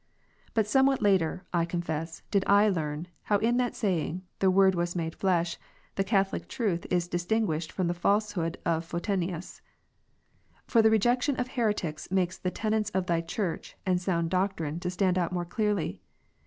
But somewhat later, I confess, did I learn, how in that saying. The IVord was made flesh, the Catholic Truth is distinguished from the falsehood of Photinus s. For the rejection of heretics makes the tenets of Thy Church and sound doctrine to stand out more clearly.